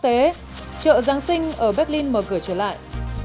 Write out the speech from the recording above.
trợ giáng sinh ở berlin mở cửa trở lại